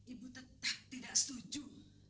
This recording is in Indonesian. ibu tetap tidak setuju